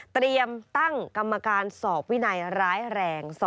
เตรียมตั้งกรรมการสอบวินัยร้ายแรง